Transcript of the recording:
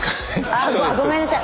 あっごめんなさい。